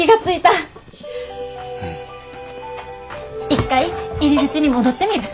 一回入り口に戻ってみる。